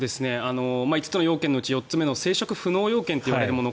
５つの要件のうち４つ目の生殖不能要件といわれるもの